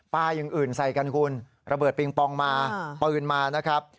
อย่างอื่นใส่กันคุณระเบิดปิงปองมาปืนมานะครับ